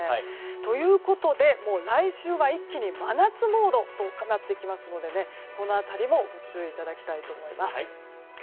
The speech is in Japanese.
ということで、来週は一気に真夏モードとなってきますのでこの辺りもご注意いただきたいと思います。